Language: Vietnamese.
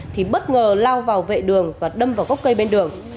thì bất ngờ lao vào vệ đường và đâm vào gốc cây bên đường